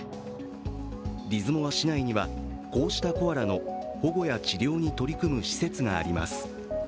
リズモア市内にはこうしたコアラの保護や治療に取り組む施設があります。